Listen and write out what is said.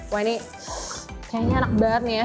wah ini kayaknya enak banget nih ya